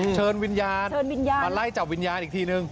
เชิญวิญญาณมาไล่จับวิญญาณอีกทีหนึ่ง